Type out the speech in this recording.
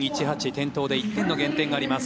転倒で１点の減点があります。